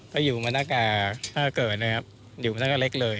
ก็อยู่มาตั้งแต่ถ้าเกิดนะครับอยู่มาตั้งแต่เล็กเลย